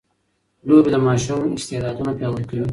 لوبې د ماشوم استعدادونه پياوړي کوي.